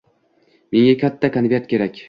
Menga katta konvert kerak.